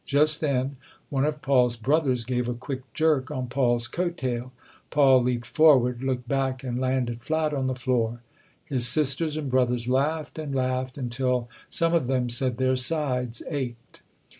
Just then one of Paul's brothers gave a quick jerk on Paul's coat tail. Paul leaped forward, looked back and landed flat on the floor. His sisters and brothers laughed and laughed until some of them said their sides ached.